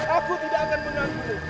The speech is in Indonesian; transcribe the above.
aku tidak akan mengganggu